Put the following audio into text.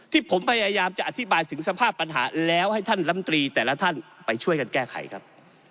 ที่ผมพยายามจะอธิบายถึงสภาพปัญหาแล้วให้ท่านลำตรีแต่ละท่านไปช่วยกันแก้ไขครับ